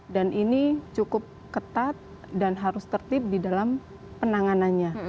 dan ini cukup ketat dan harus tertib di dalam penanganannya